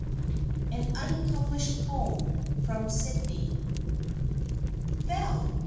] AN UNPUBLISHED POEM, FROM SYDNEY. "Vell!